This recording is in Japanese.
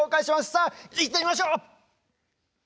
さあいってみましょう。